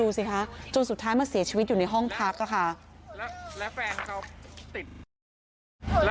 เมียก็ต้องสิทธิ์ว่าเมียก็ขายของในตลาดสล็อตเลย